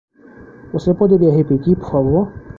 Você poderia repetir por favor?